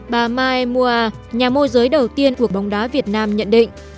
bà mai mua nhà môi giới đầu tiên của bóng đá việt nam nhận định